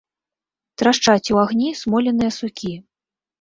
Трашчаць у агні смоленыя сукі.